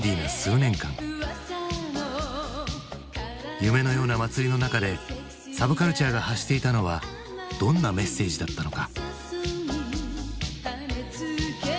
夢のような祭りの中でサブカルチャーが発していたのはどんなメッセージだったのか。